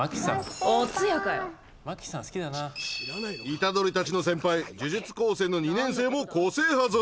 虎杖たちの先輩呪術高専の２年生も個性派ぞろい。